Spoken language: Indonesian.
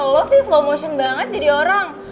lo sih lo motion banget jadi orang